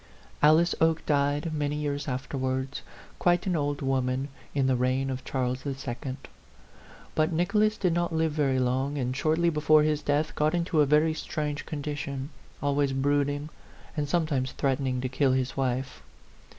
Alice Oke died many years afterwards, quite an old woman, in the reign of Charles II. ; but Nicholas did not live very long, and shortly before his death got into a very strange condition, always brooding, and sometimes threatening to kill his wife.